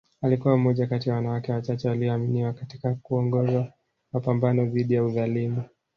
Alikuwa mmoja kati ya wanawake wachache walioaminiwa katika kuongoza mapambano dhidi ya udhalimu